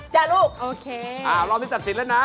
เจอลูกโอเคอ่ารอบที่ตัดสินแล้วนะ